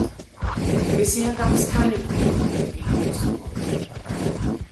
Bisher gab es keine Begegnungen gegen Luxemburg.